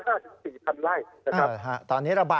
ตอนนี้ระบายกันยังไงครับ